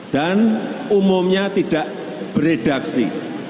dan umumnya tidak beredaksi